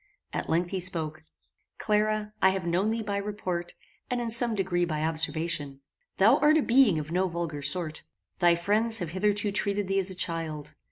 At length he spoke: "Clara, I have known thee by report, and in some degree by observation. Thou art a being of no vulgar sort. Thy friends have hitherto treated thee as a child.